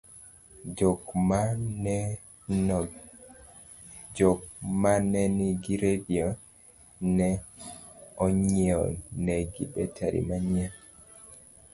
jok manenigi redio ne onyienegi betari manyien